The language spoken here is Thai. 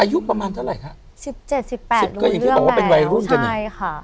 อายุประมาณเท่าไหร่ค่ะสิบเจ็ดสิบแปดรู้เรื่องแล้วใช่ค่ะ